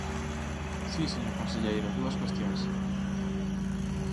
Si, señor conselleiro, dúas cuestións.